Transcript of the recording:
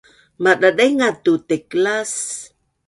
Madadaingaz tu taiklas